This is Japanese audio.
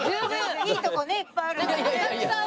いいとこねいっぱいあるから。